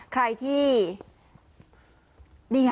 ใครที่เนี่ย